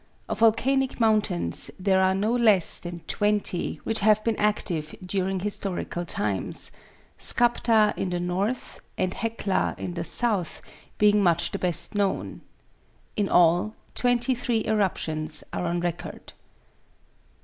Of volcanic mountains there are no less than twenty which have been active during historical times. Skaptar in the north, and Hecla in the south, being much the best known. In all, twenty three eruptions are on record.